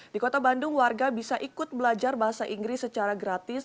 di kota bandung warga bisa ikut belajar bahasa inggris secara gratis